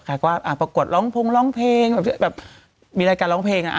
ใครก็ว่าอ่าประกวดร้องพุงร้องเพลงแบบแบบมีรายการร้องเพลงอ่ะอ่า